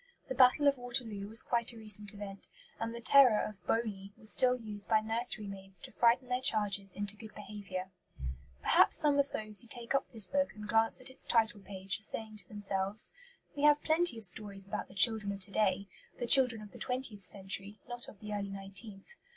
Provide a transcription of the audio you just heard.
The Battle of Waterloo was quite a recent event; and the terror of "Boney" was still used by nursery maids to frighten their charges into good behaviour. Perhaps some of those who take up this book and glance at its title page are saying to themselves. We have plenty of stories about the children of to day the children of the twentieth century, not of the early nineteenth.